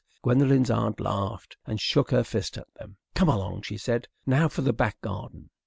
Gwendolen's aunt laughed and shook her fist at them. "Come along," she said; "now for the back garden."